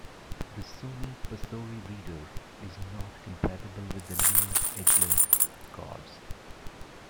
The Sony PaSoRi Reader is not compatible with the new ez-link cards.